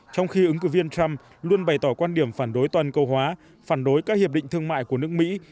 trong khi ứng cử viên trump luôn bày tỏ quan điểm phản đối toàn cầu hóa phản đối các hiệp định thương mại của nước mỹ